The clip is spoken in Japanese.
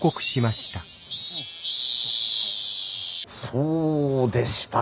そうでしたか。